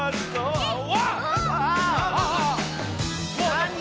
なに？